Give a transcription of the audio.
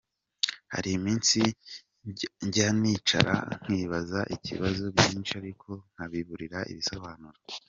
Hariminsi njyanicara nkibaza ibibazo byinshi ariko nkabiburira ibisobanuro.